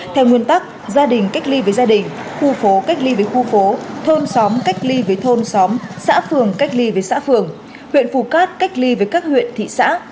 theo nguyên tắc gia đình cách ly với gia đình khu phố cách ly với khu phố thôn xóm cách ly với thôn xóm xã phường cách ly với xã phường huyện phù cát cách ly với các huyện thị xã